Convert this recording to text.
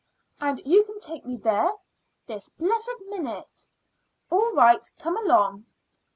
"And you can take me there?" "This blessed minute." "All right; come along."